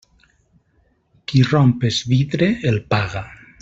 Qui romp es vidre el paga.